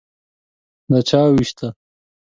_دا چا ووېشته؟